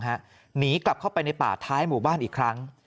หนีกลับเข้าไปในป่าท้ายหมู่บ้านอีกครั้ง